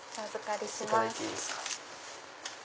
お預かりします。